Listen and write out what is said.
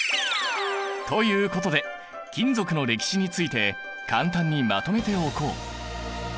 ということで金属の歴史について簡単にまとめておこう。